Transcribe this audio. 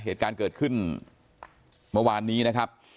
เหตุการณ์เกิดขึ้นเมื่อวานนี้นะครับ